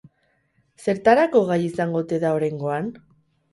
Zertarako gai izango ote da oraingoan?